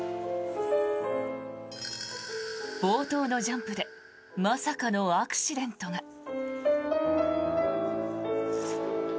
冒頭のジャンプでまさかのアクシデントが。